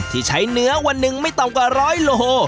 ที่ใช้เนื้อวันหนึ่งไม่ต่ำกว่าร้อยโล